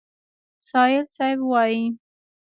سایل صیب وایي: